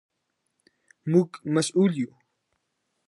موږ مسؤل یو.